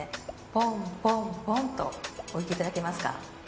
ポンポンポンと置いていただけますか。